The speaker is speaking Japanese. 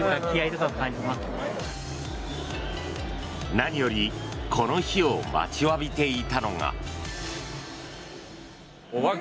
何よりこの日を待ちわびていたのは。